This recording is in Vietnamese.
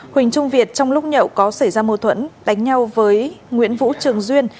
huỳnh trung việt trong lúc nhậu có xảy ra mô thuẫn đánh nhau với nguyễn vũ trường duyên